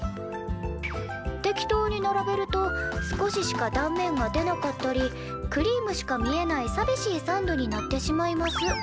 適当に並べると少ししか断面が出なかったりクリームしか見えないさびしいサンドになってしまいます。